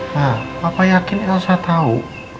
nah papa yakin elsa tahu